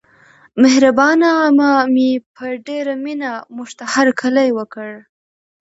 مهربانه عمه مې په ډېره مینه موږته هرکلی وکړ.